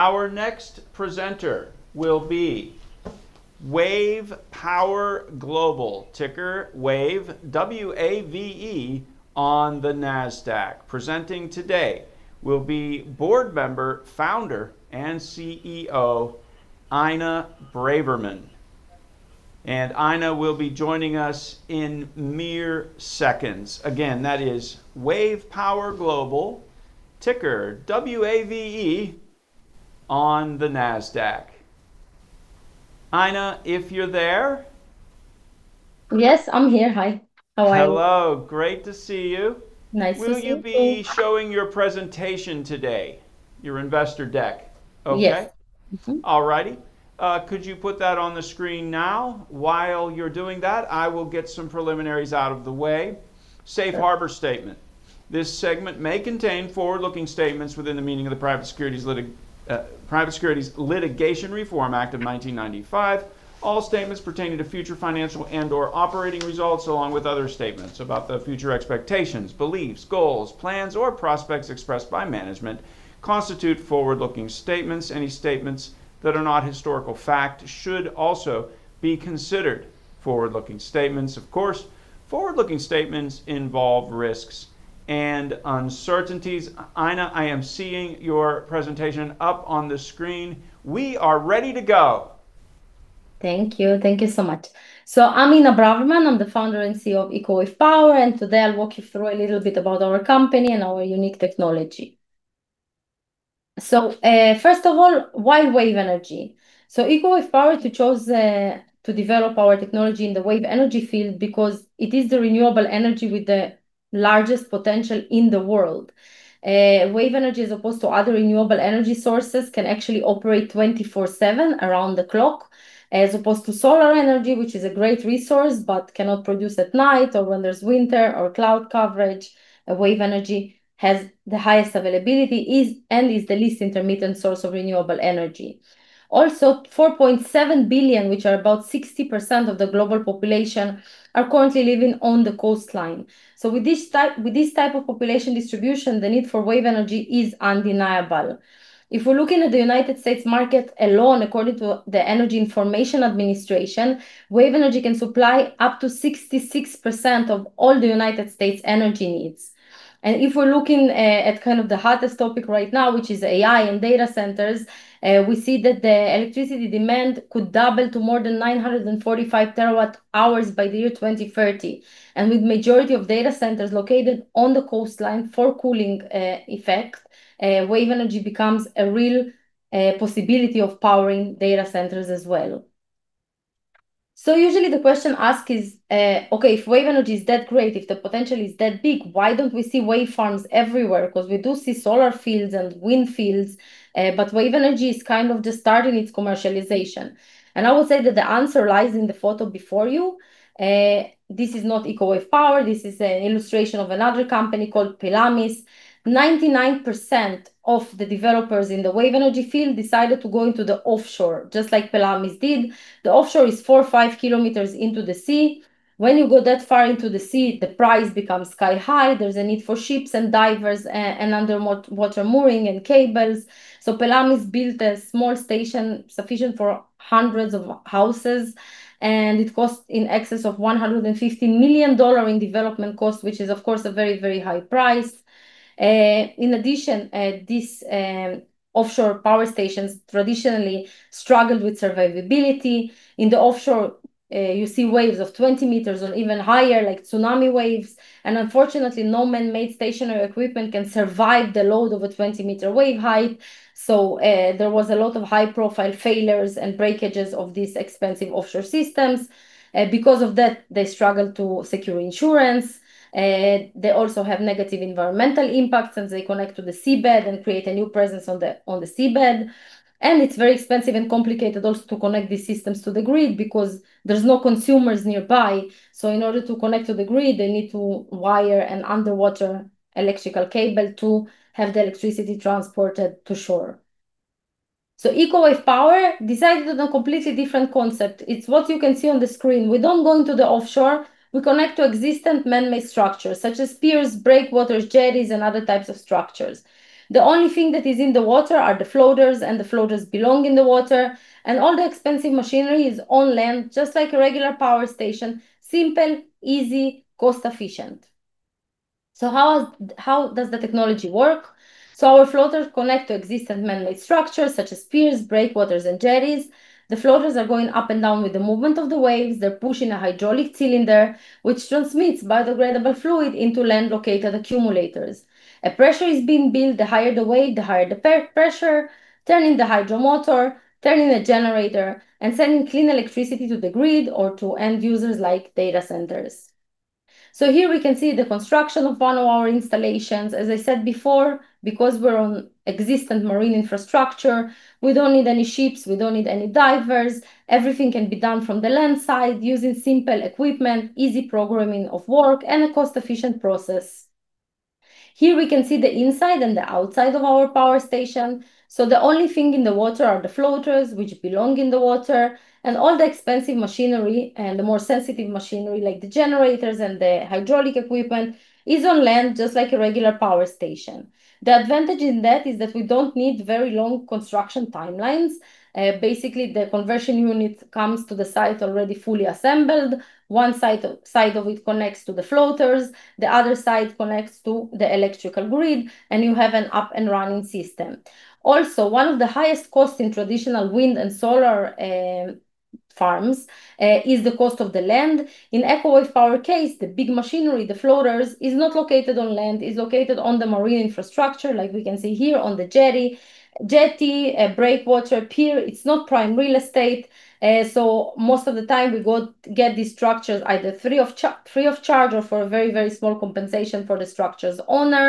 Our next presenter will be Wave Power Global, ticker WAVE, W-A-V-E on the Nasdaq. Presenting today will be Board Member, Founder, and CEO, Inna Braverman. Inna will be joining us in mere seconds. Again, that is Wave Power Global, ticker W-A-V-E on the Nasdaq. Inna, if you're there? Yes, I'm here. Hi. How are you? Hello. Great to see you. Nice to see you too. Will you be showing your presentation today, your investor deck, okay? Yes. Mm-hmm. All right. Could you put that on the screen now? While you're doing that, I will get some preliminaries out of the way. Safe harbor statement. This segment may contain forward-looking statements within the meaning of the Private Securities Litigation Reform Act of 1995. All statements pertaining to future financial and/or operating results, along with other statements about the future expectations, beliefs, goals, plans, or prospects expressed by management, constitute forward-looking statements. Any statements that are not historical fact should also be considered forward-looking statements. Of course, forward-looking statements involve risks and uncertainties. Inna, I am seeing your presentation up on the screen. We are ready to go. Thank you. Thank you so much. I'm Inna Braverman, I'm the Founder and CEO of Eco Wave Power, and today I'll walk you through a little bit about our company and our unique technology. First of all, why wave energy? Eco Wave Power chose to develop our technology in the wave energy field because it is the renewable energy with the largest potential in the world. Wave energy, as opposed to other renewable energy sources, can actually operate 24/7 around the clock, as opposed to solar energy, which is a great resource but cannot produce at night or when there's winter or cloud coverage. Wave energy has the highest availability and is the least intermittent source of renewable energy. Also, 4.7 billion, which are about 60% of the global population, are currently living on the coastline. With this type of population distribution, the need for wave energy is undeniable. If we are looking at the U.S. market alone, according to the U.S. Energy Information Administration, wave energy can supply up to 66% of all the U.S. energy needs. If we are looking at the hottest topic right now, which is AI and data centers, we see that the electricity demand could double to more than 945 TWh by the year 2030. With majority of data centers located on the coastline for cooling effect, wave energy becomes a real possibility of powering data centers as well. Usually the question asked is, okay, if wave energy is that great, if the potential is that big, why don't we see wave farms everywhere? We do see solar fields and wind fields, but wave energy is just starting its commercialization. I would say that the answer lies in the photo before you. This is not Eco Wave Power. This is an illustration of another company called Pelamis. 99% of the developers in the wave energy field decided to go into the offshore, just like Pelamis did. The offshore is 4 km-5 km into the sea. When you go that far into the sea, the price becomes sky high. There's a need for ships and divers and underwater mooring and cables. Pelamis built a small station sufficient for hundreds of houses, and it cost in excess of $150 million in development cost, which is of course a very, very high price. In addition, these offshore power stations traditionally struggled with survivability. In the offshore, you see waves of 20 m or even higher, like tsunami waves, and unfortunately, no manmade stationary equipment can survive the load of a 20 m wave height. So there was a lot of high-profile failures and breakages of these expensive offshore systems. Because of that, they struggle to secure insurance. They also have negative environmental impacts as they connect to the seabed and create a new presence on the seabed. It's very expensive and complicated also to connect these systems to the grid because there's no consumers nearby. In order to connect to the grid, they need to wire an underwater electrical cable to have the electricity transported to shore. Eco Wave Power decided on a completely different concept. It's what you can see on the screen. We don't go into the offshore. We connect to existent manmade structures, such as piers, breakwaters, jetties, and other types of structures. The only thing that is in the water are the floaters, and the floaters belong in the water, and all the expensive machinery is on land, just like a regular power station, simple, easy, cost-efficient. How does the technology work? Our floaters connect to existent manmade structures, such as piers, breakwaters, and jetties. The floaters are going up and down with the movement of the waves. They're pushing a hydraulic cylinder, which transmits biodegradable fluid into land-located accumulators. A pressure is being built. The higher the wave, the higher the pressure, turning the hydraulic motor, turning the generator, and sending clean electricity to the grid or to end users like data centers. Here we can see the construction of one of our installations. As I said before, because we are on existing marine infrastructure, we do not need any ships, we do not need any divers. Everything can be done from the land side using simple equipment, easy programming of work, and a cost-efficient process. Here we can see the inside and the outside of our power station. The only thing in the water are the floaters, which belong in the water, and all the expensive machinery and the more sensitive machinery, like the generators and the hydraulic equipment, is on land, just like a regular power station. The advantage in that is that we do not need very long construction timelines. Basically, the conversion unit comes to the site already fully assembled. One side of it connects to the floaters, the other side connects to the electrical grid, and you have an up and running system. One of the highest costs in traditional wind and solar farms is the cost of the land. In Eco Wave Power's case, the big machinery, the floaters, is not located on land. It is located on the marine infrastructure, like we can see here on the jetty, breakwater, pier. It is not prime real estate. Most of the time, we get these structures either free of charge or for a very small compensation for the structure's owner,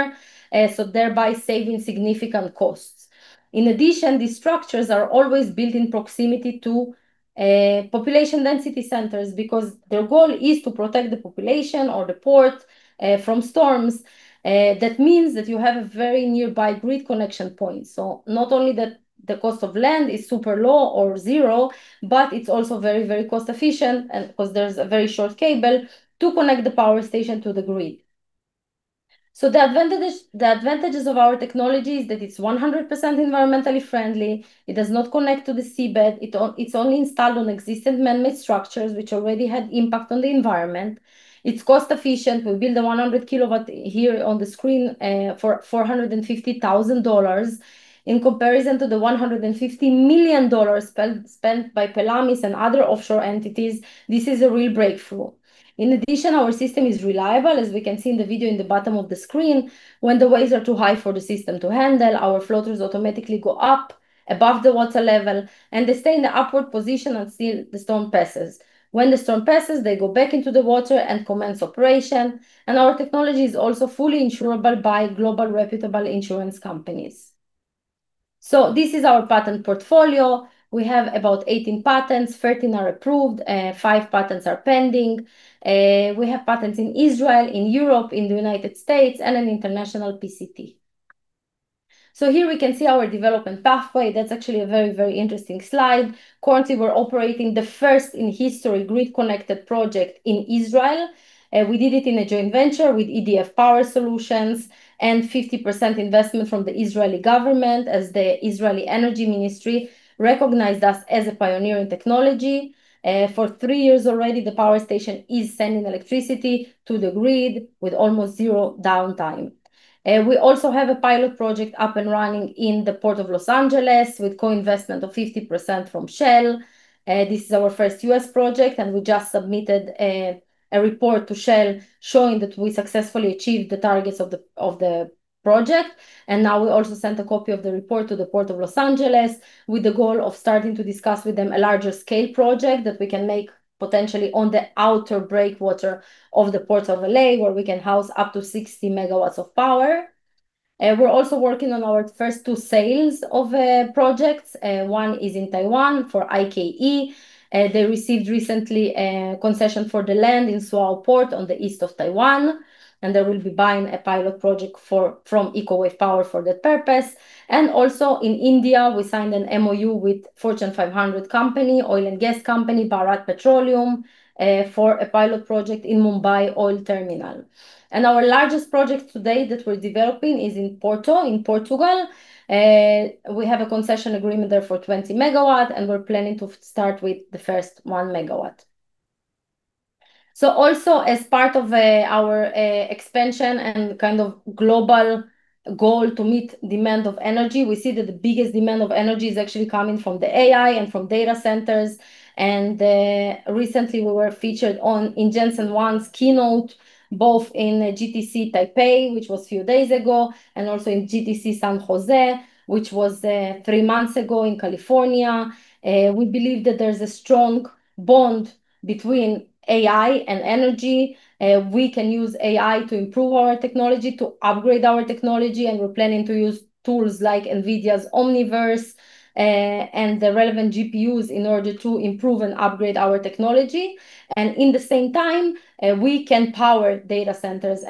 thereby saving significant costs. In addition, these structures are always built in proximity to population density centers because their goal is to protect the population or the port from storms. That means you have a very nearby grid connection point. Not only that the cost of land is super low or zero, but it is also very cost efficient because there is a very short cable to connect the power station to the grid. The advantages of our technology is that it is 100% environmentally friendly. It does not connect to the seabed. It is only installed on existing man-made structures, which already had impact on the environment. It is cost efficient. We build the 100 kw here on the screen for $450,000 in comparison to the $150 million spent by Pelamis and other offshore entities. This is a real breakthrough. In addition, our system is reliable. As we can see in the video in the bottom of the screen, when the waves are too high for the system to handle, our floaters automatically go up above the water level, and they stay in the upward position until the storm passes. When the storm passes, they go back into the water and commence operation. Our technology is also fully insurable by global reputable insurance companies. This is our patent portfolio. We have about 18 patents, 13 are approved, five patents are pending. We have patents in Israel, in Europe, in the United States, and an international PCT. Here we can see our development pathway. That is actually a very interesting slide. Currently, we are operating the first in history grid-connected project in Israel. We did it in a joint venture with EDF Power Solutions and 50% investment from the Israeli government as the Israeli Energy Ministry recognized us as a pioneer in technology. For three years already, the power station is sending electricity to the grid with almost zero downtime. We also have a pilot project up and running in the Port of Los Angeles with co-investment of 50% from Shell. This is our first U.S. project. We just submitted a report to Shell showing that we successfully achieved the targets of the project. Now we also sent a copy of the report to the Port of Los Angeles with the goal of starting to discuss with them a larger scale project that we can make potentially on the outer breakwater of the Port of L.A., where we can house up to 60 MW of power. We're also working on our first two sales of projects. One is in Taiwan for I-Ke. They received recently a concession for the land in Suao Port on the east of Taiwan. They will be buying a pilot project from Eco Wave Power for that purpose. Also in India, we signed an MoU with Fortune 500 company, oil and gas company, Bharat Petroleum, for a pilot project in Mumbai Oil Terminal. Our largest project today that we're developing is in Porto in Portugal. We have a concession agreement there for 20 MW. We're planning to start with the first 1 MW. Also, as part of our expansion and kind of global goal to meet demand of energy, we see that the biggest demand of energy is actually coming from the AI and from data centers. Recently, we were featured on in Jensen Huang's keynote, both in GTC Taipei, which was a few days ago, and also in GTC San Jose, which was three months ago in California. We believe that there's a strong bond between AI and energy. We can use AI to improve our technology, to upgrade our technology. We're planning to use tools like NVIDIA's Omniverse, and the relevant GPUs in order to improve and upgrade our technology. In the same time, we can power data centers.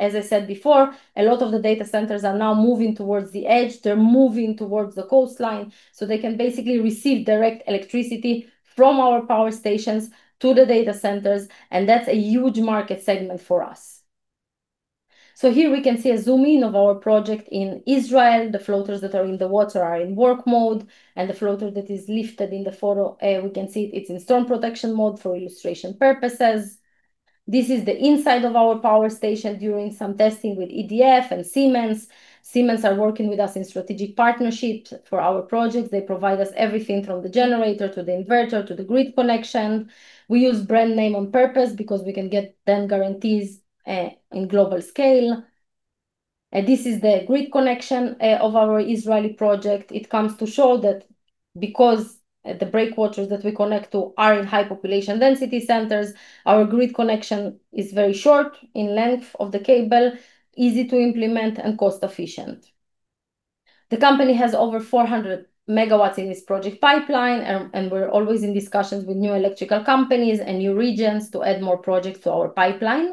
As I said before, a lot of the data centers are now moving towards the edge. They're moving towards the coastline, so they can basically receive direct electricity from our power stations to the data centers, and that's a huge market segment for us. Here we can see a zoom-in of our project in Israel. The floaters that are in the water are in work mode, and the floater that is lifted in the photo, we can see it's in storm protection mode for illustration purposes. This is the inside of our power station during some testing with EDF and Siemens. Siemens are working with us in strategic partnership for our projects. They provide us everything from the generator to the inverter to the grid connection. We use brand name on purpose because we can get them guarantees in global scale. This is the grid connection of our Israeli project. It comes to show that because the breakwaters that we connect to are in high population density centers, our grid connection is very short in length of the cable, easy to implement, and cost efficient. The company has over 400 MW in its project pipeline, and we're always in discussions with new electrical companies and new regions to add more projects to our pipeline.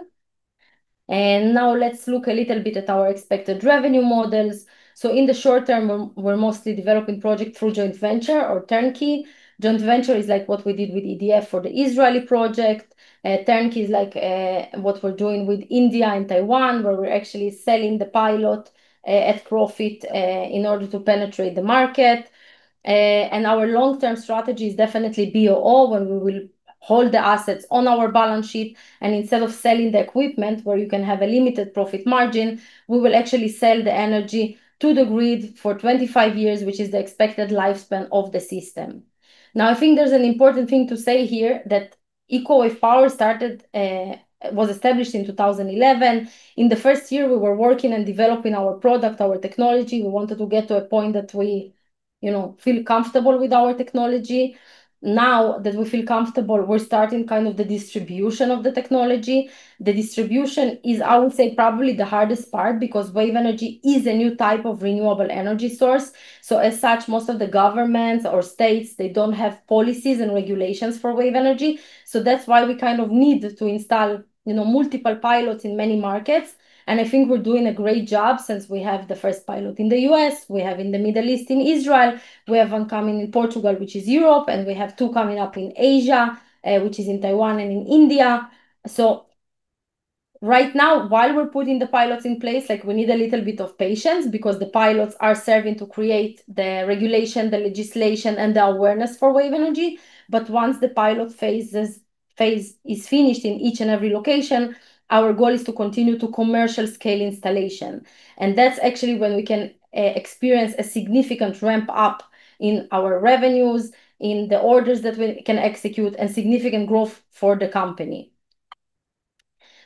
Now let's look a little bit at our expected revenue models. In the short term, we're mostly developing project through joint venture or turnkey. Joint venture is like what we did with EDF for the Israeli project. Turnkey is like what we're doing with India and Taiwan, where we're actually selling the pilot at profit in order to penetrate the market. Our long-term strategy is definitely BOO, when we will hold the assets on our balance sheet and instead of selling the equipment where you can have a limited profit margin, we will actually sell the energy to the grid for 25 years, which is the expected lifespan of the system. I think there's an important thing to say here that Eco Wave Power was established in 2011. In the first year, we were working and developing our product, our technology. We wanted to get to a point that we feel comfortable with our technology. That we feel comfortable, we're starting kind of the distribution of the technology. The distribution is, I would say, probably the hardest part because wave energy is a new type of renewable energy source. As such, most of the governments or states, they don't have policies and regulations for wave energy. That's why we kind of need to install multiple pilots in many markets. I think we're doing a great job since we have the first pilot in the U.S., we have in the Middle East, in Israel, we have one coming in Portugal, which is Europe, and we have two coming up in Asia, which is in Taiwan and in India. Right now, while we're putting the pilots in place, we need a little bit of patience because the pilots are serving to create the regulation, the legislation, and the awareness for wave energy. Once the pilot phase is finished in each and every location, our goal is to continue to commercial scale installation. That's actually when we can experience a significant ramp up in our revenues, in the orders that we can execute, and significant growth for the company.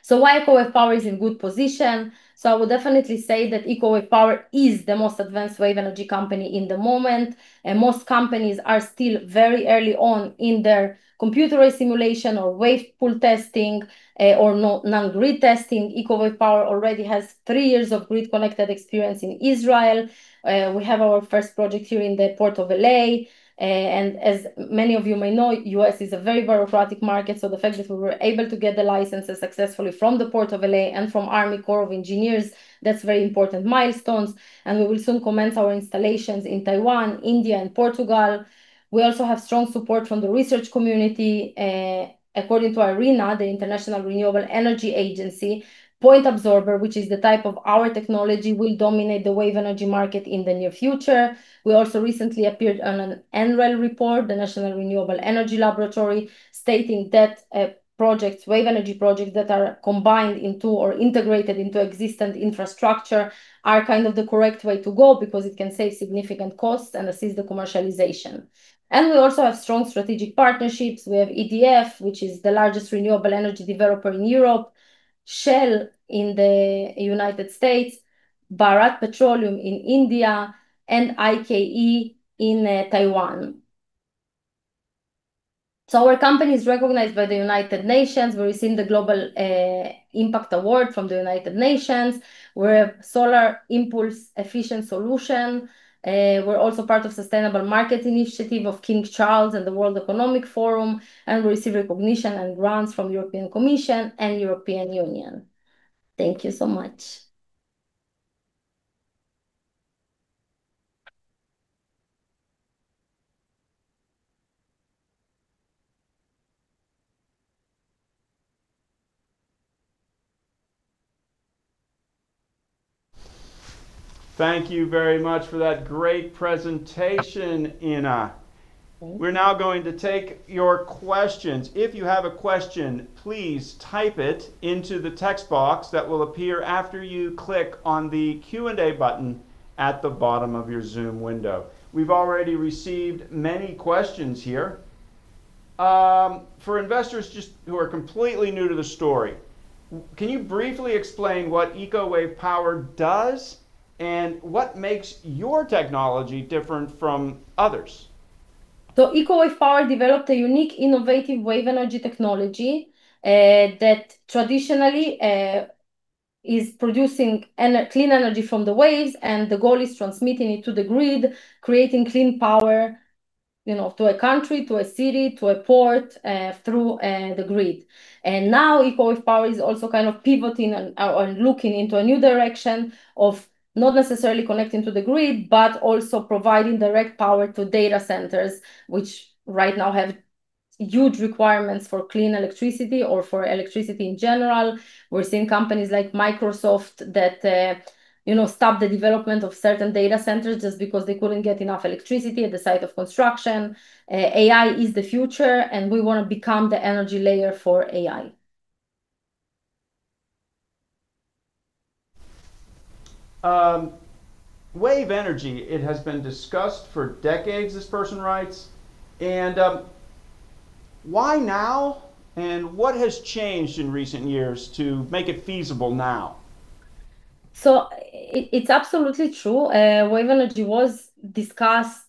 Why Eco Wave Power is in good position? I would definitely say that Eco Wave Power is the most advanced wave energy company in the moment, and most companies are still very early on in their computer re-simulation or wave pool testing, or non-grid testing. Eco Wave Power already has three years of grid-connected experience in Israel. We have our first project here in the Port of L.A. As many of you may know, U.S. is a very bureaucratic market, so the fact that we were able to get the licenses successfully from the Port of L.A. and from Army Corps of Engineers, that's very important milestones, and we will soon commence our installations in Taiwan, India, and Portugal. We also have strong support from the research community. According to IRENA, the International Renewable Energy Agency, point absorber, which is the type of our technology, will dominate the wave energy market in the near future. We also recently appeared on an NREL report, the National Renewable Energy Laboratory, stating that wave energy projects that are combined into or integrated into existent infrastructure are kind of the correct way to go because it can save significant costs and assist the commercialization. We also have strong strategic partnerships. We have EDF, which is the largest renewable energy developer in Europe, Shell in the United States, Bharat Petroleum in India, and IKE in Taiwan. Our company is recognized by the United Nations. We've received the Global Impact Award from the United Nations. We're a Solar Impulse Efficient Solution. We're also part of Sustainable Markets Initiative of King Charles and the World Economic Forum, and we receive recognition and grants from European Commission and European Union. Thank you so much. Thank you very much for that great presentation, Inna. Thank you. We're now going to take your questions. If you have a question, please type it into the text box that will appear after you click on the Q&A button at the bottom of your Zoom window. We've already received many questions here. For investors just who are completely new to the story, can you briefly explain what Eco Wave Power does and what makes your technology different from others? Eco Wave Power developed a unique, innovative wave energy technology that traditionally is producing clean energy from the waves, the goal is transmitting it to the grid, creating clean power to a country, to a city, to a port, through the grid. Now Eco Wave Power is also kind of pivoting and looking into a new direction of not necessarily connecting to the grid, but also providing direct power to data centers, which right now have huge requirements for clean electricity or for electricity in general. We're seeing companies like Microsoft that stop the development of certain data centers just because they couldn't get enough electricity at the site of construction. AI is the future, and we want to become the energy layer for AI. "Wave energy, it has been discussed for decades," this person writes. "Why now, and what has changed in recent years to make it feasible now?" It's absolutely true. Wave energy was discussed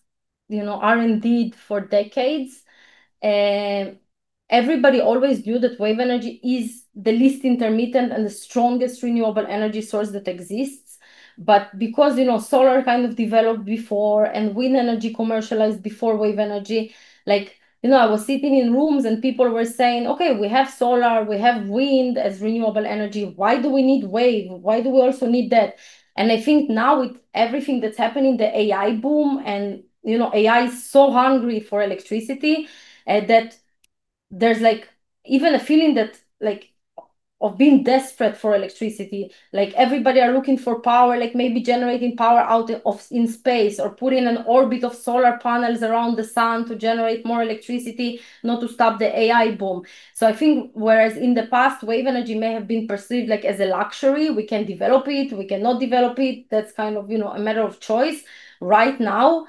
R&D'd for decades. Everybody always knew that wave energy is the least intermittent and the strongest renewable energy source that exists. Because solar kind of developed before, wind energy commercialized before wave energy, I was sitting in rooms and people were saying, "Okay, we have solar, we have wind as renewable energy. Why do we need wave? Why do we also need that?" I think now with everything that's happening, the AI boom, AI is so hungry for electricity, that there's even a feeling of being desperate for electricity. Everybody are looking for power, maybe generating power in space or putting an orbit of solar panels around the sun to generate more electricity, not to stop the AI boom. I think whereas in the past, wave energy may have been perceived as a luxury, we can develop it, we cannot develop it, that's kind of a matter of choice. Right now,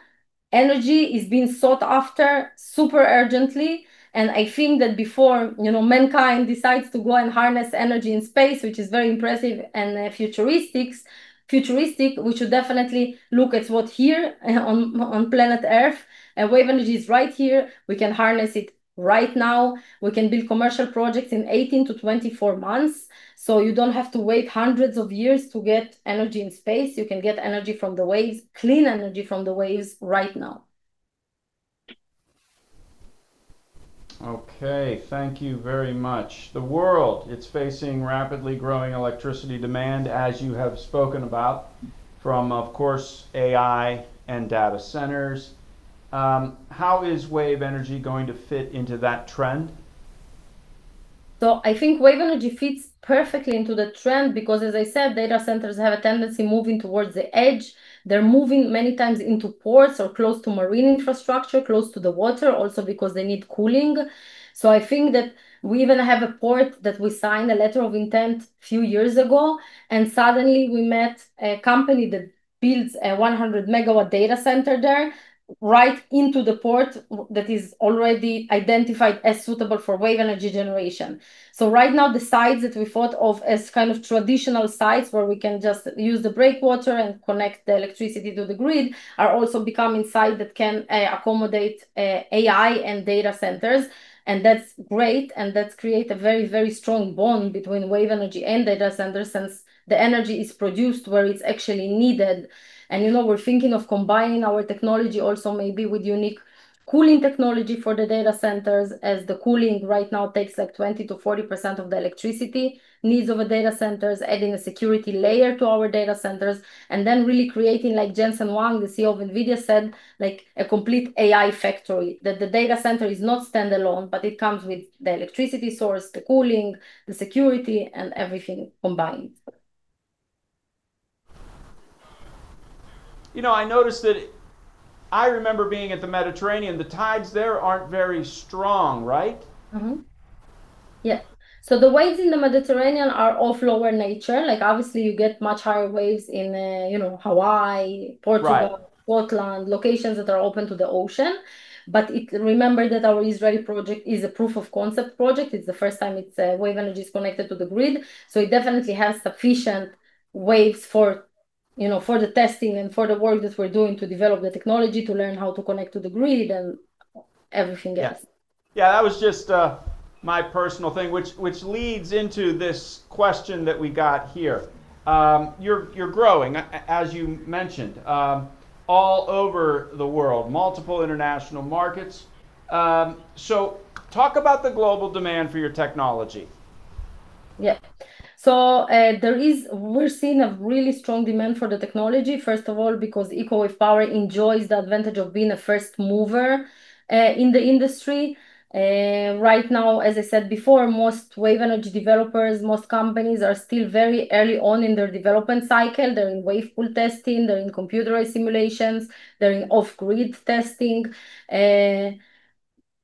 energy is being sought after super urgently, I think that before mankind decides to go and harness energy in space, which is very impressive and futuristic, we should definitely look at what's here on planet Earth. Wave energy is right here. We can harness it right now. We can build commercial projects in 18-24 months, so you don't have to wait hundreds of years to get energy in space. You can get energy from the waves, clean energy from the waves right now. Okay. Thank you very much. The world, it is facing rapidly growing electricity demand, as you have spoken about, from, of course, AI and data centers. How is wave energy going to fit into that trend? I think wave energy fits perfectly into the trend because, as I said, data centers have a tendency moving towards the edge. They are moving many times into ports or close to marine infrastructure, close to the water, also because they need cooling. I think that we even have a port that we signed a letter of intent few years ago, and suddenly we met a company that builds a 100 MW data center there right into the port that is already identified as suitable for wave energy generation. Right now, the sites that we thought of as kind of traditional sites where we can just use the breakwater and connect the electricity to the grid, are also becoming sites that can accommodate AI and data centers. That is great, and that creates a very strong bond between wave energy and data centers, since the energy is produced where it is actually needed. We are thinking of combining our technology also maybe with unique cooling technology for the data centers, as the cooling right now takes 20%-40% of the electricity needs of a data centers, adding a security layer to our data centers, and then really creating, like Jensen Huang, the CEO of NVIDIA said, a complete AI factory. The data center is not standalone, but it comes with the electricity source, the cooling, the security, and everything combined. I noticed that I remember being at the Mediterranean. The tides there aren't very strong, right? Yeah. The waves in the Mediterranean are of lower nature. Obviously, you get much higher waves in Hawaii, Portugal. Right. Scotland, locations that are open to the ocean. Remember that our Israeli project is a proof of concept project. It's the first time wave energy's connected to the grid, so it definitely has sufficient waves for the testing and for the work that we're doing to develop the technology, to learn how to connect to the grid, and everything else. Yeah. That was just my personal thing. Which leads into this question that we got here. You're growing, as you mentioned, all over the world, multiple international markets. Talk about the global demand for your technology. Yeah. We're seeing a really strong demand for the technology, first of all, because Eco Wave Power enjoys the advantage of being a first mover in the industry. Right now, as I said before, most wave energy developers, most companies are still very early on in their development cycle. They're in wave pool testing, they're in computerized simulations, they're in off-grid testing.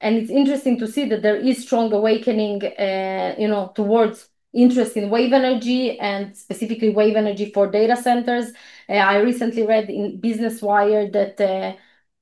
It's interesting to see that there is strong awakening towards interest in wave energy, and specifically wave energy for data centers. I recently read in Business Wire that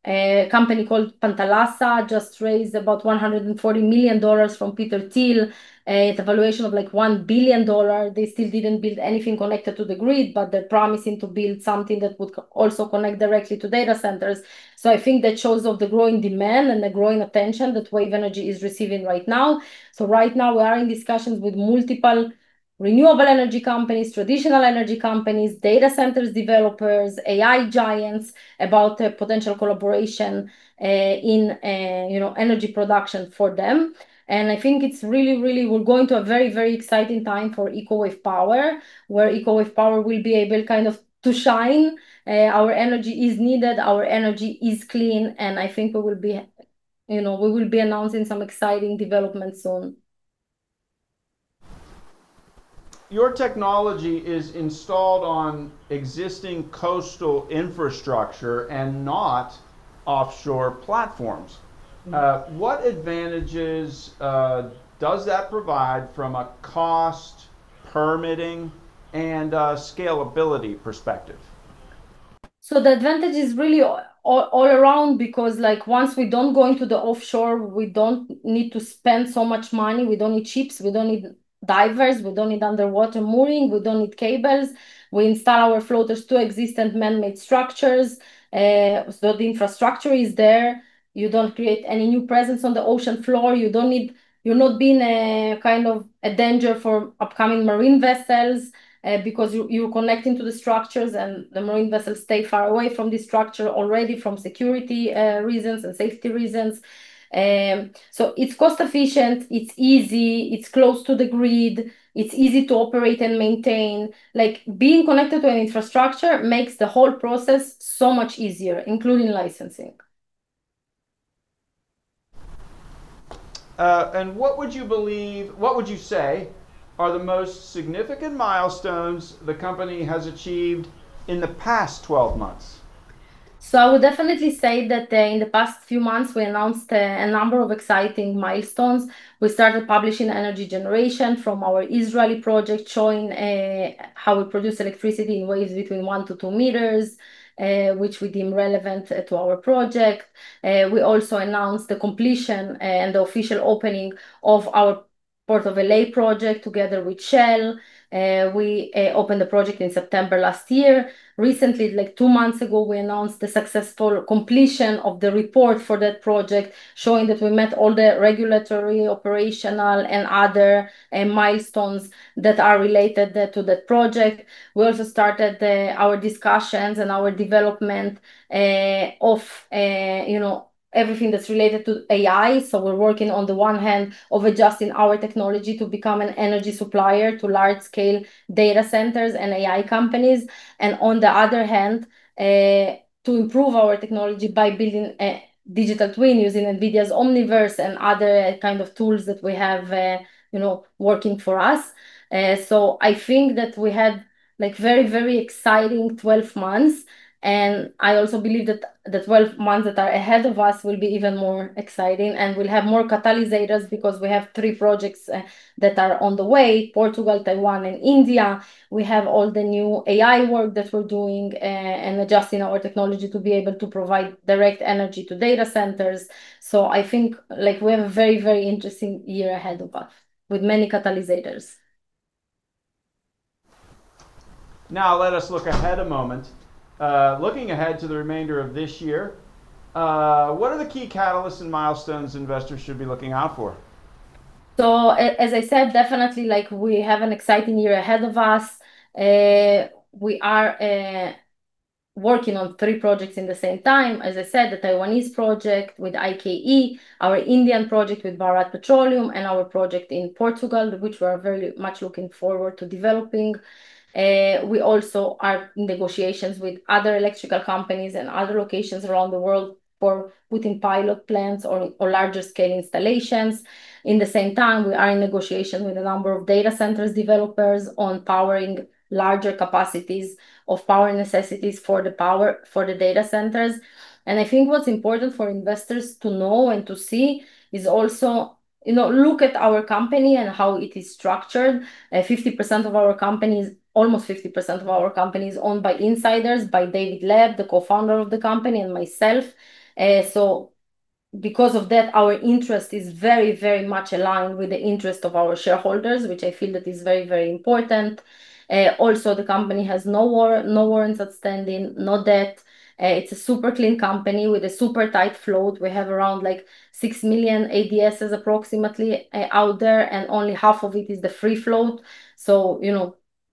a company called Panthalassa just raised about $140 million from Peter Thiel at a valuation of $1 billion. They still didn't build anything connected to the grid, but they're promising to build something that would also connect directly to data centers. I think that shows of the growing demand and the growing attention that wave energy is receiving right now. Right now, we are in discussions with multiple renewable energy companies, traditional energy companies, data centers developers, AI giants, about potential collaboration in energy production for them. I think we're going to a very exciting time for Eco Wave Power, where Eco Wave Power will be able kind of to shine. Our energy is needed, our energy is clean, and I think we will be announcing some exciting developments soon. Your technology is installed on existing coastal infrastructure and not offshore platforms. What advantages does that provide from a cost, permitting, and scalability perspective? The advantage is really all around because once we don't go into the offshore, we don't need to spend so much money. We don't need ships, we don't need divers, we don't need underwater mooring, we don't need cables. We install our floaters to existent manmade structures, so the infrastructure is there. You don't create any new presence on the ocean floor. You're not being a danger for upcoming marine vessels, because you're connecting to the structures, and the marine vessels stay far away from this structure already for security reasons and safety reasons. It's cost efficient, it's easy, it's close to the grid, it's easy to operate and maintain. Being connected to an infrastructure makes the whole process so much easier, including licensing. What would you say are the most significant milestones the company has achieved in the past 12 months? I would definitely say that in the past few months, we announced a number of exciting milestones. We started publishing energy generation from our Israeli project, showing how we produce electricity in waves between 1 m-2 m, which we deem relevant to our project. We also announced the completion and the official opening of our Port of L.A. project together with Shell. We opened the project in September last year. Recently, two months ago, we announced the successful completion of the report for that project, showing that we met all the regulatory, operational, and other milestones that are related to that project. We also started our discussions and our development of everything that's related to AI. We're working on the one hand of adjusting our technology to become an energy supplier to large scale data centers and AI companies. On the other hand, to improve our technology by building a digital twin using NVIDIA's Omniverse and other kind of tools that we have working for us. I think that we had very exciting 12 months, and I also believe that the 12 months that are ahead of us will be even more exciting, and we'll have more catalyzers because we have three projects that are on the way, Portugal, Taiwan, and India. We have all the new AI work that we're doing and adjusting our technology to be able to provide direct energy to data centers. I think we have a very interesting year ahead of us with many catalyzers. Now let us look ahead a moment. Looking ahead to the remainder of this year, what are the key catalysts and milestones investors should be looking out for? As I said, definitely we have an exciting year ahead of us. We are working on three projects in the same time. As I said, the Taiwanese project with IKE, our Indian project with Bharat Petroleum, and our project in Portugal, which we are very much looking forward to developing. We also are in negotiations with other electrical companies and other locations around the world for putting pilot plans or larger scale installations. In the same time, we are in negotiation with a number of data centers developers on powering larger capacities of power necessities for the data centers. I think what's important for investors to know and to see is also look at our company and how it is structured. Almost 50% of our company is owned by insiders, by David Leb, the co-founder of the company, and myself. Because of that, our interest is very much aligned with the interest of our shareholders, which I feel that is very important. Also, the company has no warrants outstanding, no debt. It's a super clean company with a super tight float. We have around six million ADSs approximately out there, and only half of it is the free float.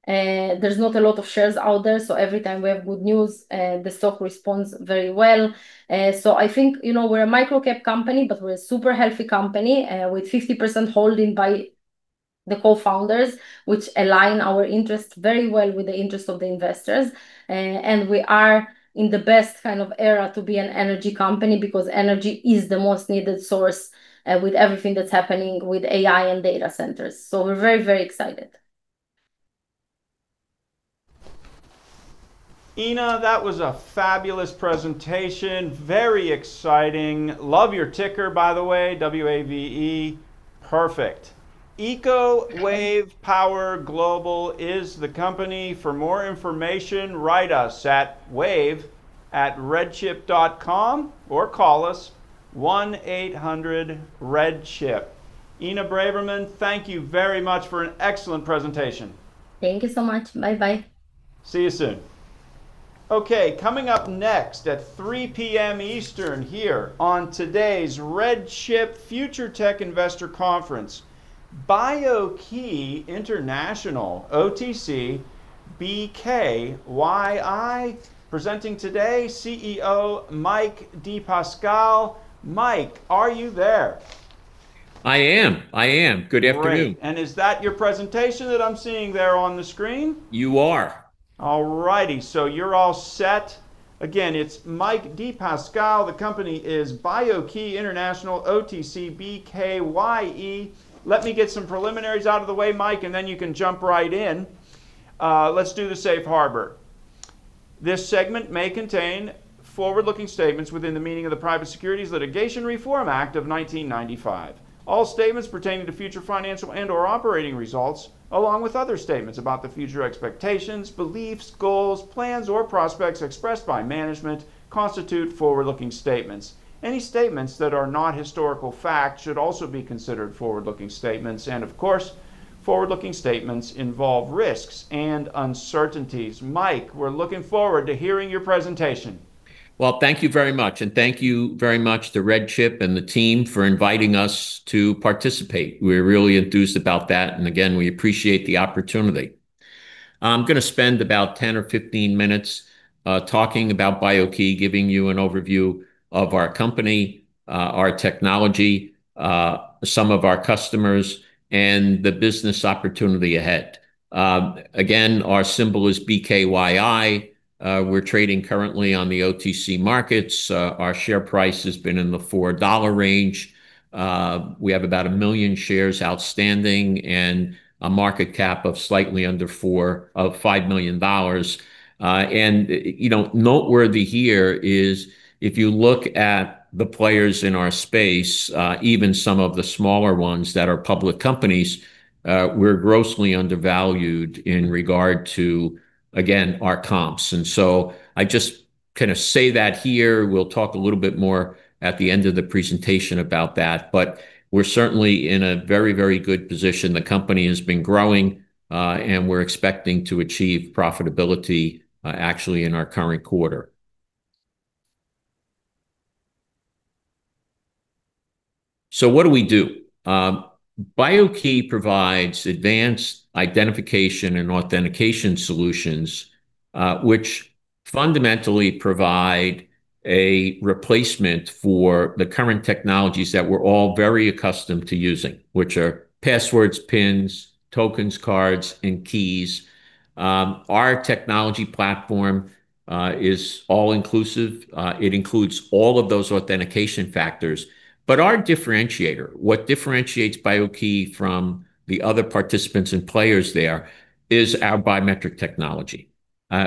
There's not a lot of shares out there, so every time we have good news, the stock responds very well. I think we're a micro-cap company, but we're a super healthy company, with 50% holding by the co-founders, which align our interests very well with the interests of the investors. We are in the best era to be an energy company because energy is the most needed source with everything that's happening with AI and data centers. We're very excited. Inna, that was a fabulous presentation. Very exciting. Love your ticker, by the way. WAVE. Perfect. Eco Wave Power Global is the company. For more information, write us at wave@redchip.com or call us 1-800-RED-CHIP. Inna Braverman, thank you very much for an excellent presentation. Thank you so much. Bye bye. See you soon. Coming up next at 3:00 P.M. Eastern here on today's RedChip Future Tech Investor Conference, BIO-key International, OTC BKYI. Presenting today, CEO Mike DePasquale. Mike, are you there? I am. Good afternoon. Great. Is that your presentation that I'm seeing there on the screen? You are. All righty. So you're all set. Again, it's Mike DePasquale. The company is BIO-key International, OTC BKYI. Let me get some preliminaries out of the way, Mike, then you can jump right in. Let's do the safe harbor. This segment may contain forward-looking statements within the meaning of the Private Securities Litigation Reform Act of 1995. All statements pertaining to future financial and/or operating results, along with other statements about the future expectations, beliefs, goals, plans, or prospects expressed by management, constitute forward-looking statements. Any statements that are not historical fact should also be considered forward-looking statements. Of course, forward-looking statements involve risks and uncertainties. Mike, we're looking forward to hearing your presentation. Thank you very much, and thank you very much to RedChip and the team for inviting us to participate. We're really enthused about that. Again, we appreciate the opportunity. I'm going to spend about 10 or 15 minutes talking about BIO-key, giving you an overview of our company, our technology, some of our customers, and the business opportunity ahead. Again, our symbol is BKYI. We're trading currently on the OTC markets. Our share price has been in the $4 range. We have about one million shares outstanding and a market cap of slightly under four of $5 million. Noteworthy here is if you look at the players in our space, even some of the smaller ones that are public companies, we're grossly undervalued in regard to, again, our comps. I just kind of say that here. We'll talk a little bit more at the end of the presentation about that. We're certainly in a very good position. The company has been growing, we're expecting to achieve profitability actually in our current quarter. What do we do? BIO-key provides advanced identification and authentication solutions, which fundamentally provide a replacement for the current technologies that we're all very accustomed to using, which are passwords, pins, tokens, cards, and keys. Our technology platform is all-inclusive. It includes all of those authentication factors. Our differentiator, what differentiates BIO-key from the other participants and players there is our biometric technology.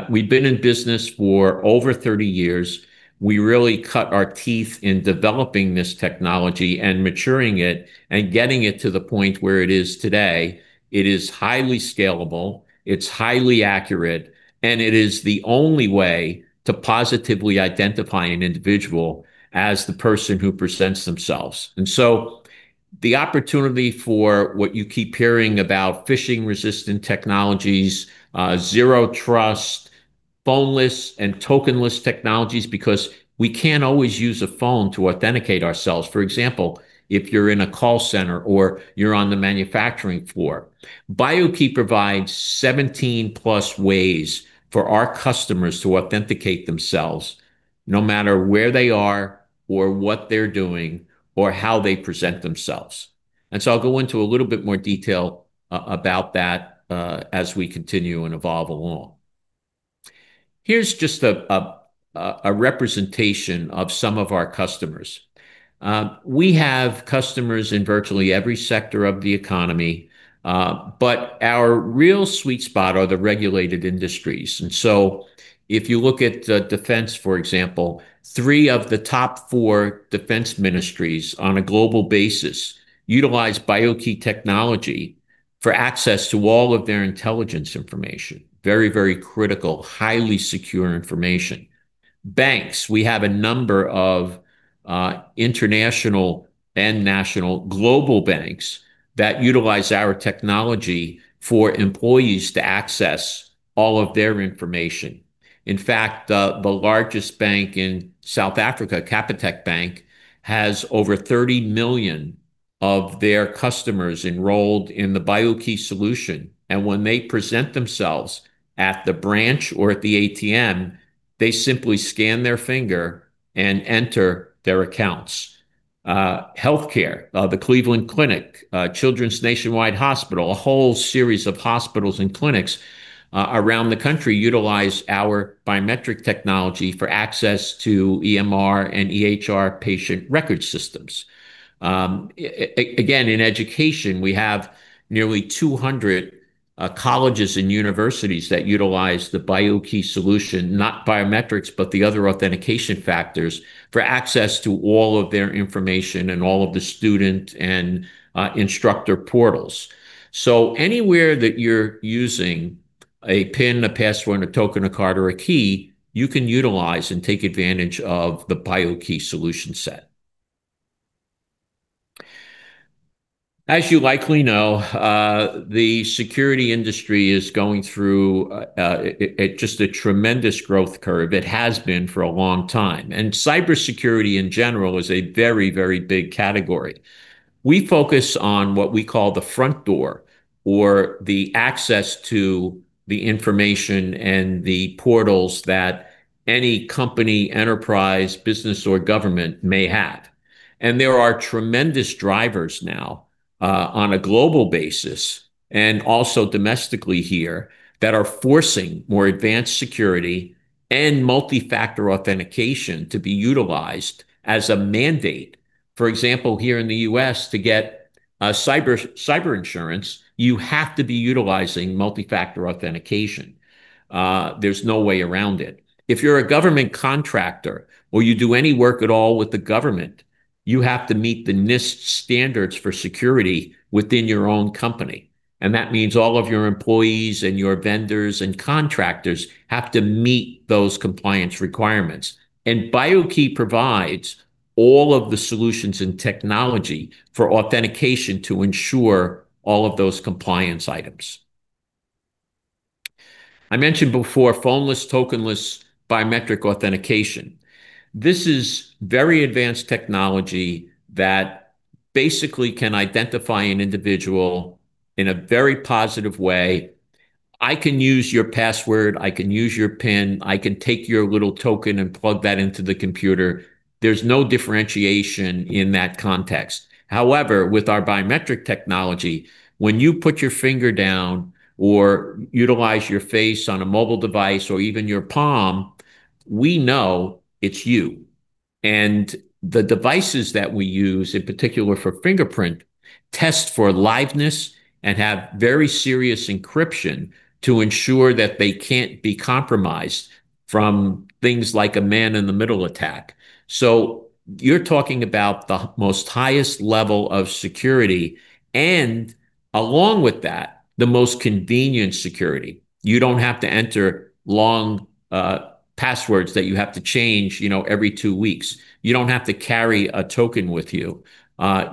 We've been in business for over 30 years. We really cut our teeth in developing this technology and maturing it and getting it to the point where it is today. It is highly scalable, it's highly accurate, and it is the only way to positively identify an individual as the person who presents themselves. The opportunity for what you keep hearing about phishing-resistant technologies, Zero Trust, phoneless and tokenless technologies, because we can't always use a phone to authenticate ourselves. For example, if you're in a call center or you're on the manufacturing floor. BIO-key provides 17+ ways for our customers to authenticate themselves no matter where they are or what they're doing or how they present themselves. I'll go into a little bit more detail about that as we continue and evolve along. Here's just a representation of some of our customers. We have customers in virtually every sector of the economy. Our real sweet spot are the regulated industries. If you look at defense, for example, three of the top four defense ministries on a global basis utilize BIO-key technology for access to all of their intelligence information. Very critical, highly secure information. Banks. We have a number of international and national global banks that utilize our technology for employees to access all of their information. In fact, the largest bank in South Africa, Capitec Bank, has over 30 million of their customers enrolled in the BIO-key solution. When they present themselves at the branch or at the ATM, they simply scan their finger and enter their accounts. Healthcare. The Cleveland Clinic, Nationwide Children's Hospital, a whole series of hospitals and clinics around the country utilize our biometric technology for access to EMR and EHR patient record systems. In education, we have nearly 200 colleges and universities that utilize the BIO-key solution, not biometrics, but the other authentication factors for access to all of their information and all of the student and instructor portals. Anywhere that you're using a PIN, a password, a token, a card, or a key, you can utilize and take advantage of the BIO-key solution set. You likely know, the security industry is going through just a tremendous growth curve. It has been for a long time, and cybersecurity in general is a very big category. We focus on what we call the front door or the access to the information and the portals that any company, enterprise, business, or government may have. There are tremendous drivers now, on a global basis and also domestically here, that are forcing more advanced security and multi-factor authentication to be utilized as a mandate. For example, here in the U.S., to get cyber insurance, you have to be utilizing multi-factor authentication. There's no way around it. If you're a government contractor, or you do any work at all with the government, you have to meet the NIST standards for security within your own company, and that means all of your employees and your vendors and contractors have to meet those compliance requirements. BIO-key provides all of the solutions and technology for authentication to ensure all of those compliance items. I mentioned before phoneless, tokenless biometric authentication. This is very advanced technology that basically can identify an individual in a very positive way. I can use your password, I can use your PIN, I can take your little token and plug that into the computer. There's no differentiation in that context. However, with our biometric technology, when you put your finger down or utilize your face on a mobile device or even your palm, we know it's you. The devices that we use, in particular for fingerprint, test for liveness and have very serious encryption to ensure that they can't be compromised from things like a man-in-the-middle attack. You're talking about the most highest level of security, and along with that, the most convenient security. You don't have to enter long passwords that you have to change every two weeks. You don't have to carry a token with you.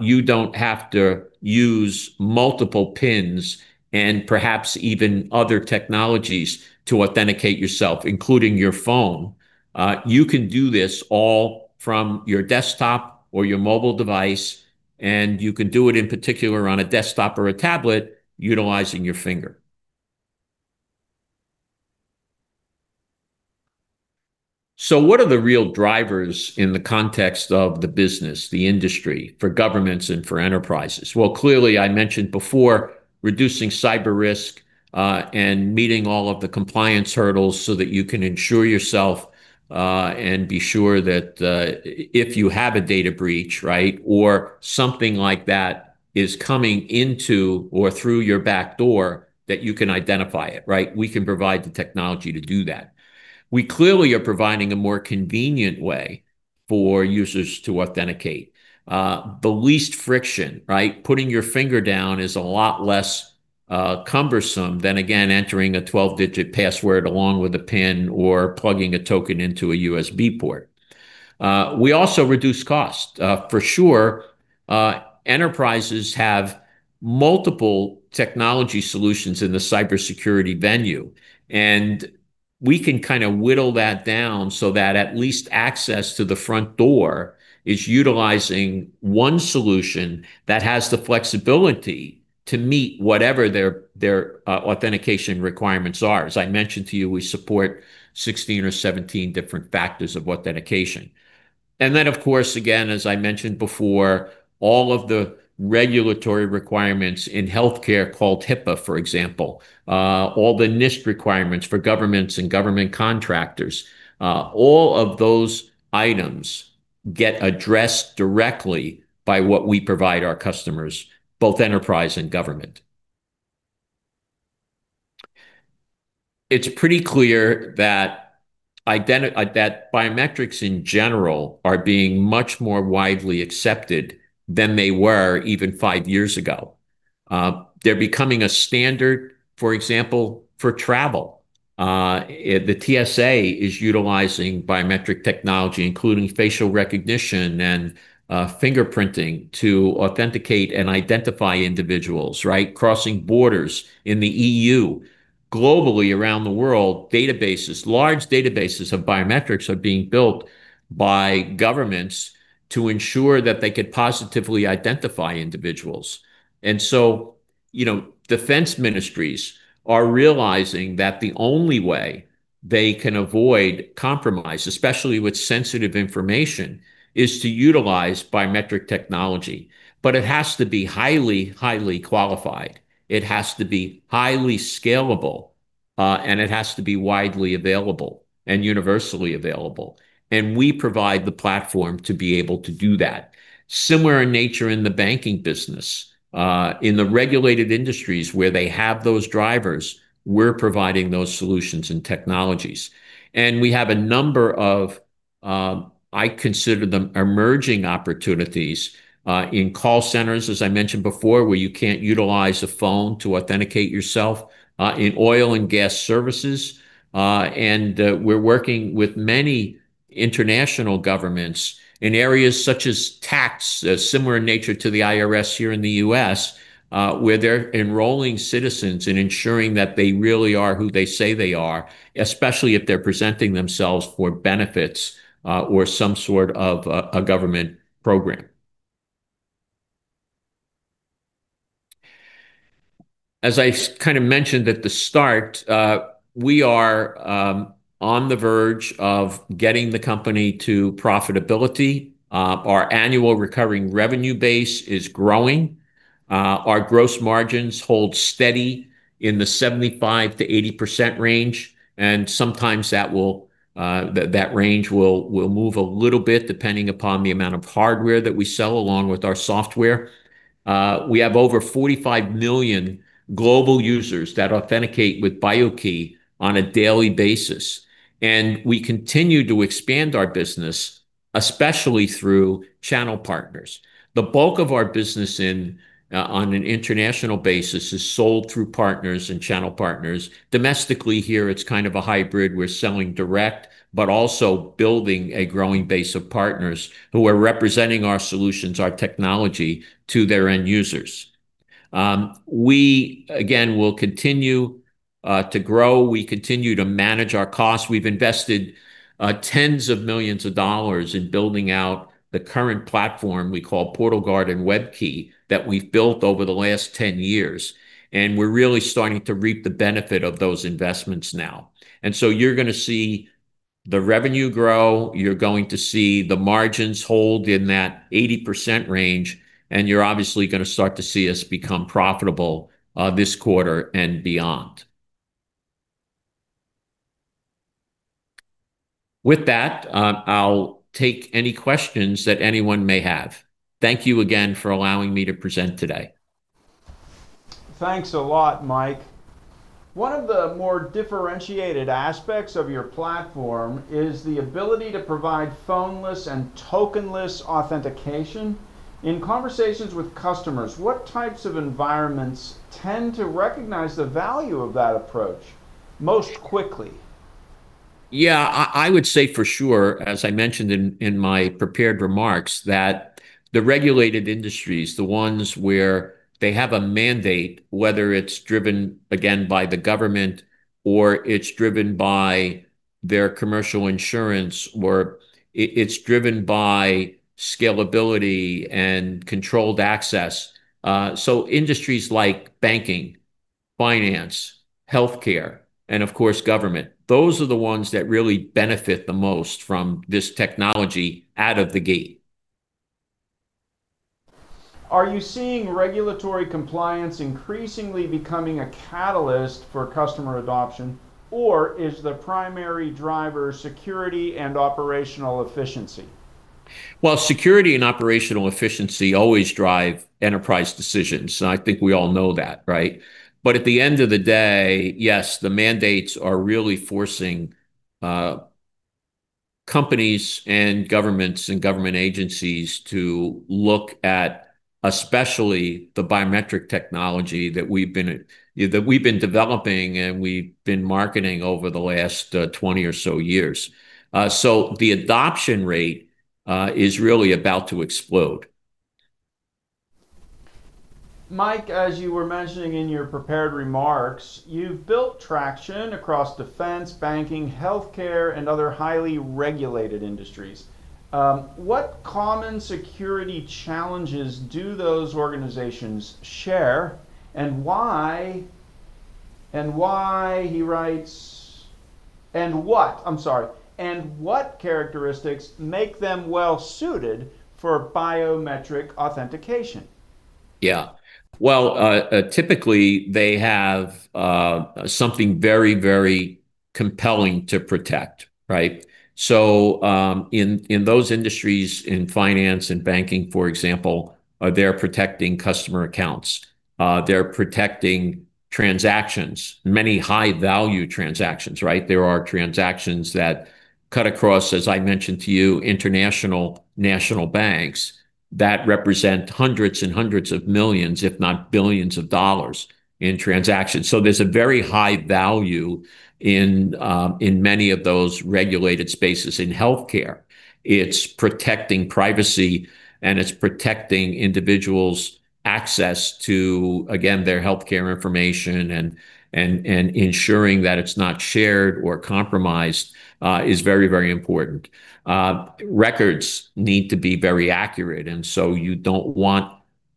You don't have to use multiple PINs and perhaps even other technologies to authenticate yourself, including your phone. You can do this all from your desktop or your mobile device, and you can do it in particular on a desktop or a tablet utilizing your finger. What are the real drivers in the context of the business, the industry, for governments and for enterprises? Well, clearly, I mentioned before reducing cyber risk, and meeting all of the compliance hurdles so that you can ensure yourself, and be sure that if you have a data breach, right, or something like that is coming into or through your backdoor, that you can identify it, right? We can provide the technology to do that. We clearly are providing a more convenient way for users to authenticate. The least friction, right? Putting your finger down is a lot less cumbersome than, again, entering a 12-digit password along with a PIN or plugging a token into a USB port. We also reduce cost. For sure, enterprises have multiple technology solutions in the cybersecurity venue, and we can whittle that down so that at least access to the front door is utilizing one solution that has the flexibility to meet whatever their authentication requirements are. As I mentioned to you, we support 16 or 17 different factors of authentication. Then, of course, again, as I mentioned before, all of the regulatory requirements in healthcare, called HIPAA, for example, all the NIST requirements for governments and government contractors, all of those items get addressed directly by what we provide our customers, both enterprise and government. It's pretty clear that biometrics in general are being much more widely accepted than they were even five years ago. They're becoming a standard, for example, for travel. The TSA is utilizing biometric technology, including facial recognition and fingerprinting, to authenticate and identify individuals, right? Crossing borders in the EU. Globally, around the world, large databases of biometrics are being built by governments to ensure that they could positively identify individuals. Defense ministries are realizing that the only way they can avoid compromise, especially with sensitive information, is to utilize biometric technology. It has to be highly qualified. It has to be highly scalable, and it has to be widely available and universally available, and we provide the platform to be able to do that. Similar in nature in the banking business. In the regulated industries where they have those drivers, we're providing those solutions and technologies. We have a number of, I consider them emerging opportunities, in call centers, as I mentioned before, where you can't utilize a phone to authenticate yourself, in oil and gas services, and we're working with many international governments in areas such as tax, similar in nature to the IRS here in the U.S., where they're enrolling citizens and ensuring that they really are who they say they are, especially if they're presenting themselves for benefits, or some sort of a government program. As I kind of mentioned at the start, we are on the verge of getting the company to profitability. Our annual recurring revenue base is growing. Our gross margins hold steady in the 75%-80% range, and sometimes that range will move a little bit depending upon the amount of hardware that we sell, along with our software. We have over 45 million global users that authenticate with BIO-key on a daily basis, we continue to expand our business, especially through channel partners. The bulk of our business on an international basis is sold through partners and channel partners. Domestically here, it is kind of a hybrid. We are selling direct, but also building a growing base of partners who are representing our solutions, our technology to their end users. We, again, will continue to grow. We continue to manage our costs. We have invested tens of millions of dollars in building out the current platform we call PortalGuard and WEB-key that we have built over the last 10 years, and we are really starting to reap the benefit of those investments now. You are going to see the revenue grow, you are going to see the margins hold in that 80% range, you are obviously going to start to see us become profitable this quarter and beyond. With that, I will take any questions that anyone may have. Thank you again for allowing me to present today. Thanks a lot, Mike. One of the more differentiated aspects of your platform is the ability to provide phoneless and tokenless authentication. In conversations with customers, what types of environments tend to recognize the value of that approach most quickly? I would say for sure, as I mentioned in my prepared remarks, that the regulated industries, the ones where they have a mandate, whether it is driven, again, by the government, or it is driven by their commercial insurance, or it is driven by scalability and controlled access. Industries like banking, finance, healthcare, and of course, government, those are the ones that really benefit the most from this technology out of the gate. Are you seeing regulatory compliance increasingly becoming a catalyst for customer adoption, or is the primary driver security and operational efficiency? Well, security and operational efficiency always drive enterprise decisions, and I think we all know that, right? At the end of the day, yes, the mandates are really forcing companies and governments and government agencies to look at especially the biometric technology that we've been developing, and we've been marketing over the last 20 or so years. The adoption rate is really about to explode. Mike, as you were mentioning in your prepared remarks, you've built traction across defense, banking, healthcare, and other highly regulated industries. What common security challenges do those organizations share and why? I'm sorry. What characteristics make them well-suited for biometric authentication? Yeah. Well, typically they have something very, very compelling to protect, right? In those industries, in finance and banking, for example, they're protecting customer accounts. They're protecting transactions, many high-value transactions, right? There are transactions that cut across, as I mentioned to you, international, national banks that represent hundreds and hundreds of millions, if not billions of dollars in transactions. There's a very high value in many of those regulated spaces. In healthcare, it's protecting privacy, and it's protecting individuals' access to, again, their healthcare information, and ensuring that it's not shared or compromised is very, very important. Records need to be very accurate, and you don't want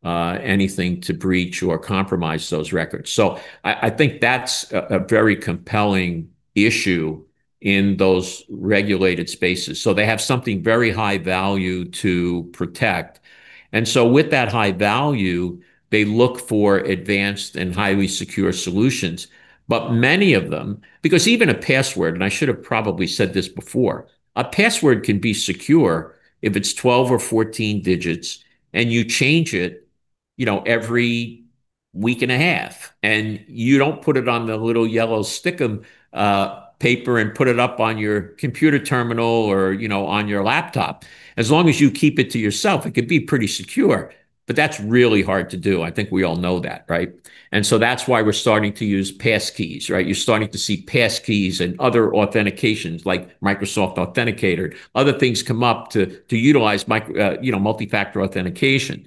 anything to breach or compromise those records. I think that's a very compelling issue in those regulated spaces. They have something very high value to protect. With that high value, they look for advanced and highly secure solutions. Many of them, because even a password, and I should have probably said this before, a password can be secure if it's 12-14 digits and you change it every week and a half, and you don't put it on the little yellow stickum paper and put it up on your computer terminal or on your laptop. As long as you keep it to yourself, it could be pretty secure. That's really hard to do. I think we all know that, right? That's why we're starting to use passkeys, right? You're starting to see passkeys and other authentications like Microsoft Authenticator. Other things come up to utilize multi-factor authentication.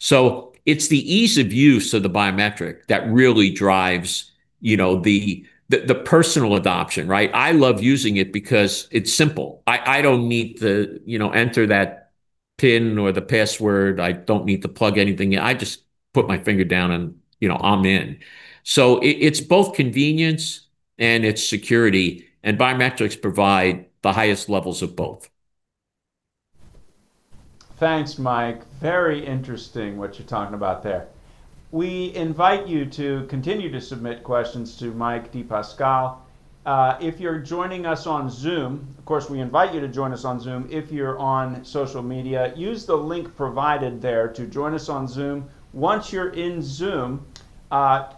It's the ease of use of the biometric that really drives the personal adoption, right? I love using it because it's simple. I don't need to enter that PIN or the password. I don't need to plug anything in. I just put my finger down and I'm in. It's both convenience and it's security, and biometrics provide the highest levels of both. Thanks, Mike. Very interesting what you're talking about there. We invite you to continue to submit questions to Mike DePasquale. If you're joining us on Zoom, of course, we invite you to join us on Zoom. If you're on social media, use the link provided there to join us on Zoom. Once you're in Zoom,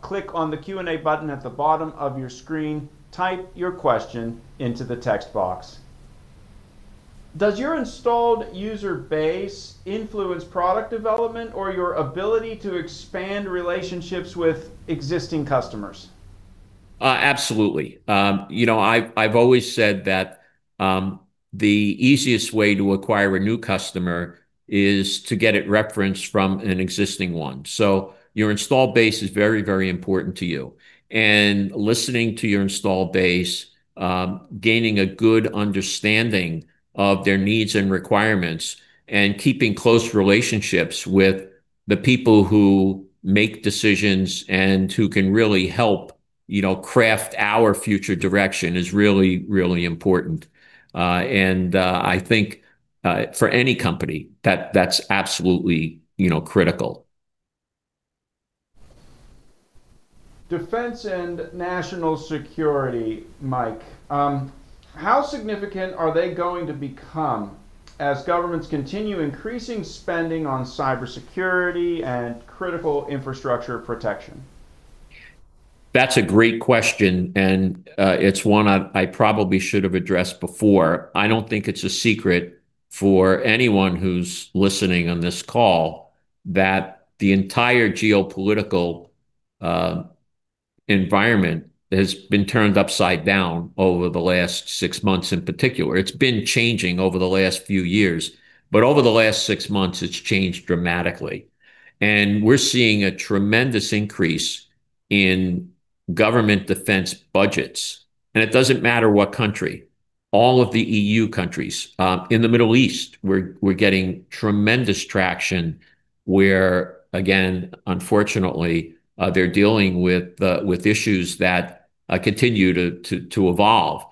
click on the Q&A button at the bottom of your screen. Type your question into the text box. Does your installed user base influence product development or your ability to expand relationships with existing customers? Absolutely. I've always said that the easiest way to acquire a new customer is to get it referenced from an existing one. Your install base is very important to you, and listening to your install base, gaining a good understanding of their needs and requirements, and keeping close relationships with the people who make decisions and who can really help craft our future direction is really important. I think for any company that's absolutely critical. Defense and national security, Mike. How significant are they going to become as governments continue increasing spending on cybersecurity and critical infrastructure protection? That's a great question. It's one I probably should have addressed before. I don't think it's a secret for anyone who's listening on this call that the entire geopolitical environment has been turned upside down over the last six months in particular. It's been changing over the last few years, but over the last six months, it's changed dramatically. We're seeing a tremendous increase in government defense budgets, and it doesn't matter what country. All of the EU countries. In the Middle East, we're getting tremendous traction where, again, unfortunately, they're dealing with issues that continue to evolve.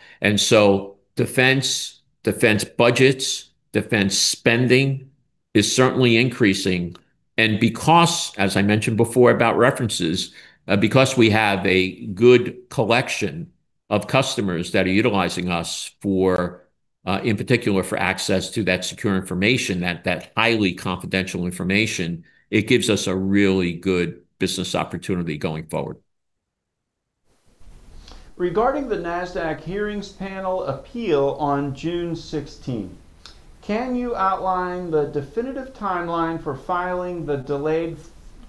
Defense budgets, defense spending is certainly increasing, and because, as I mentioned before about references, because we have a good collection of customers that are utilizing us in particular for access to that secure information, that highly confidential information, it gives us a really good business opportunity going forward. Regarding the Nasdaq hearings panel appeal on June 16th, can you outline the definitive timeline for filing the delayed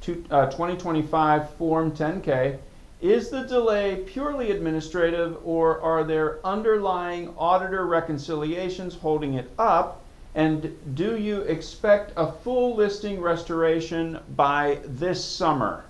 2025 Form 10-K? Is the delay purely administrative, or are there underlying auditor reconciliations holding it up? Do you expect a full listing restoration by this summer?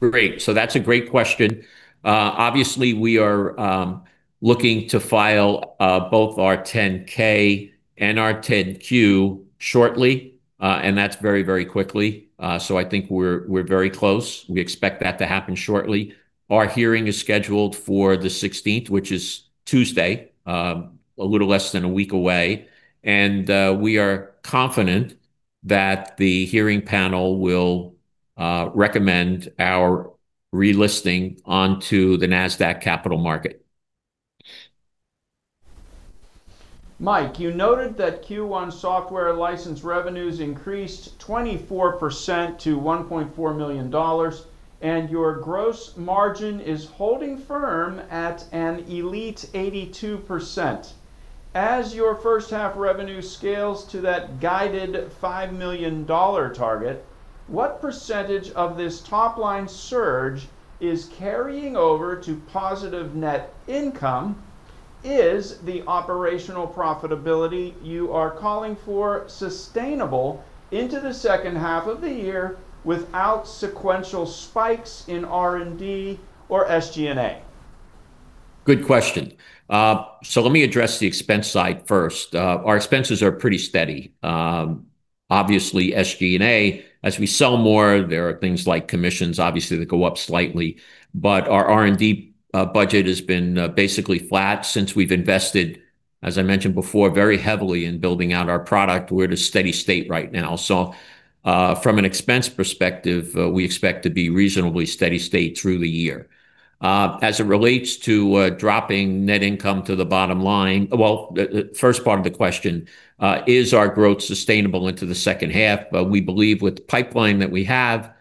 Great. That's a great question. Obviously, we are looking to file both our 10-K and our 10-Q shortly, and that's very quickly. I think we're very close. We expect that to happen shortly. Our hearing is scheduled for the 16th, which is Tuesday, a little less than a week away, and we are confident that the hearing panel will recommend our relisting onto the Nasdaq Capital Market. Mike, you noted that Q1 software license revenues increased 24% to $1.4 million, and your gross margin is holding firm at an elite 82%. As your first half revenue scales to that guided $5 million target, what percentage of this top-line surge is carrying over to positive net income? Is the operational profitability you are calling for sustainable into the second half of the year without sequential spikes in R&D or SG&A? Good question. Let me address the expense side first. Our expenses are pretty steady. Obviously, SG&A, as we sell more, there are things like commissions, obviously, that go up slightly, but our R&D budget has been basically flat since we've invested, as I mentioned before, very heavily in building out our product. We're at a steady state right now. From an expense perspective, we expect to be reasonably steady state through the year. As it relates to dropping net income to the bottom line, well, the first part of the question, is our growth sustainable into the second half? We believe with the pipeline that we have,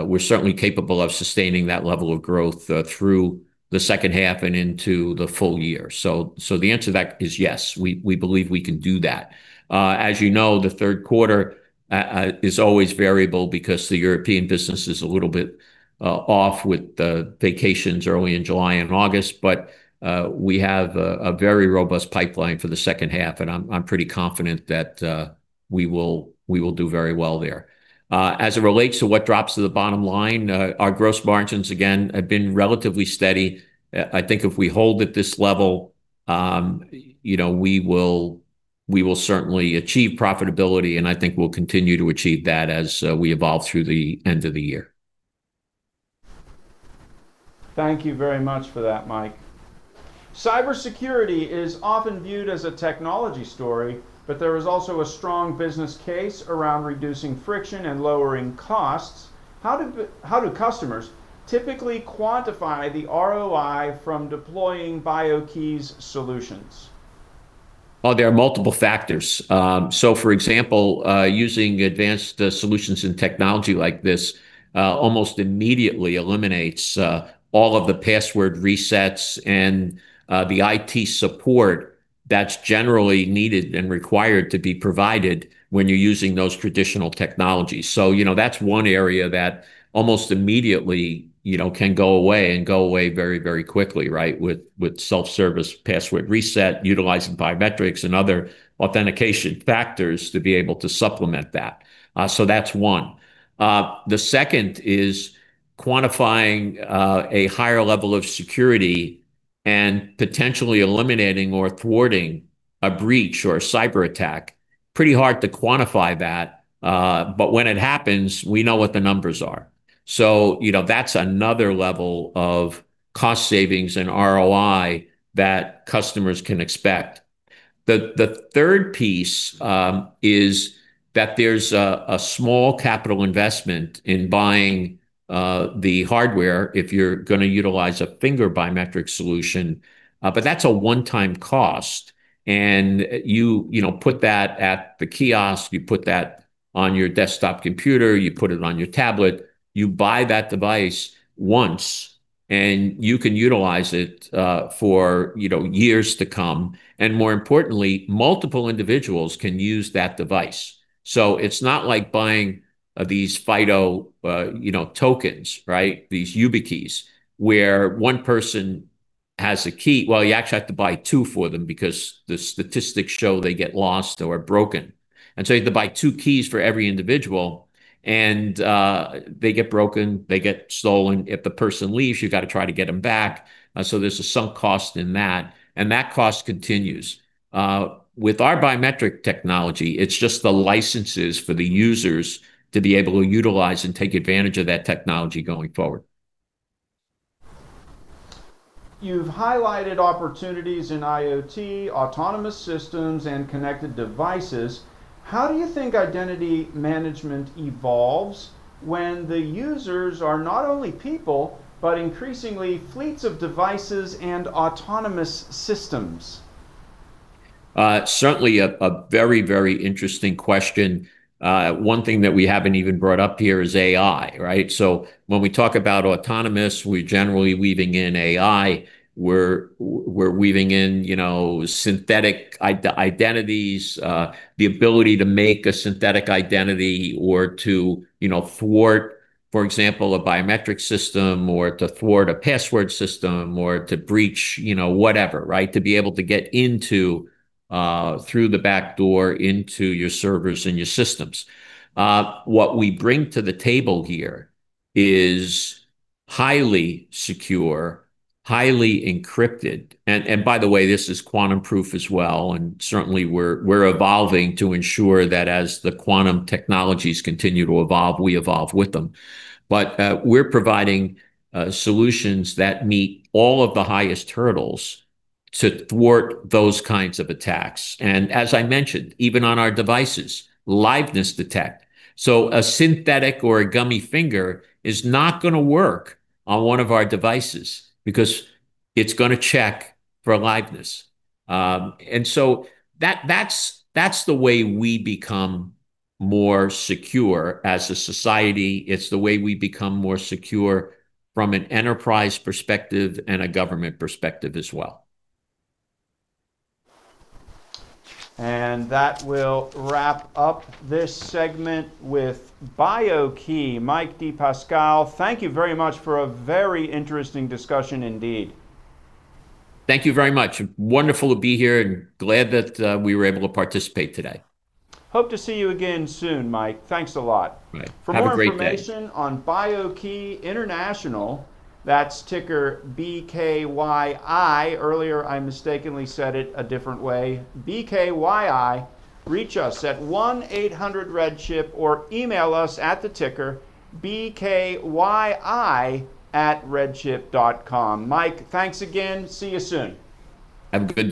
we're certainly capable of sustaining that level of growth through the second half and into the full year. The answer to that is yes. We believe we can do that. As you know, the third quarter is always variable because the European business is a little bit off with the vacations early in July and August. We have a very robust pipeline for the second half, I'm pretty confident that we will do very well there. As it relates to what drops to the bottom line, our gross margins, again, have been relatively steady. I think if we hold at this level, we will certainly achieve profitability, and I think we'll continue to achieve that as we evolve through the end of the year. Thank you very much for that, Mike. Cybersecurity is often viewed as a technology story, but there is also a strong business case around reducing friction and lowering costs. How do customers typically quantify the ROI from deploying BIO-key's solutions? Well, there are multiple factors. For example, using advanced solutions in technology like this almost immediately eliminates all of the password resets and the IT support that's generally needed and required to be provided when you're using those traditional technologies. That's one area that almost immediately can go away and go away very quickly, right, with self-service password reset, utilizing biometrics and other authentication factors to be able to supplement that. That's one. The second is quantifying a higher level of security and potentially eliminating or thwarting a breach or a cyber attack. Pretty hard to quantify that, but when it happens, we know what the numbers are. That's another level of cost savings and ROI that customers can expect. The third piece is that there's a small capital investment in buying the hardware if you're going to utilize a finger biometric solution. That's a one-time cost. You put that at the kiosk. You put that on your desktop computer. You put it on your tablet. You buy that device once, and you can utilize it for years to come. More importantly, multiple individuals can use that device. It's not like buying these FIDO tokens, right, these YubiKey, where one person has a key. Well, you actually have to buy two for them because the statistics show they get lost or are broken, and you have to buy two keys for every individual. They get broken, they get stolen. If the person leaves, you've got to try to get them back. There's a sunk cost in that, and that cost continues. With our biometric technology, it's just the licenses for the users to be able to utilize and take advantage of that technology going forward. You've highlighted opportunities in IoT, autonomous systems, and connected devices. How do you think identity management evolves when the users are not only people, but increasingly fleets of devices and autonomous systems? Certainly a very interesting question. One thing that we haven't even brought up here is AI, right? When we talk about autonomous, we're generally weaving in AI. We're weaving in synthetic identities, the ability to make a synthetic identity or to thwart, for example, a biometric system, or to thwart a password system, or to breach whatever, right? To be able to get through the back door into your servers and your systems. What we bring to the table here is highly secure, highly encrypted, and by the way, this is quantum-proof as well, and certainly we're evolving to ensure that as the quantum technologies continue to evolve, we evolve with them. We're providing solutions that meet all of the highest hurdles to thwart those kinds of attacks. And as I mentioned, even on our devices, liveness detect. A synthetic or a gummy finger is not going to work on one of our devices because it's going to check for liveness. That's the way we become more secure as a society. It's the way we become more secure from an enterprise perspective and a government perspective as well. That will wrap up this segment with BIO-key. Mike DePasquale, thank you very much for a very interesting discussion indeed. Thank you very much. Wonderful to be here, and glad that we were able to participate today. Hope to see you again soon, Mike. Thanks a lot. Right. Have a great day. For more information on BIO-key International, that's ticker BKYI. Earlier, I mistakenly said it a different way. BKYI. Reach us at 1-800-RedChip or email us at the ticker, BKYI@redchip.com. Mike, thanks again. See you soon. Have a good day.